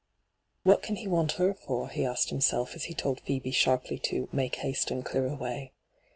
' What can he want her for V he asked himself as he told Phoebe sharply to ' make haste and clear away.'